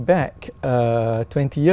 và bình tĩnh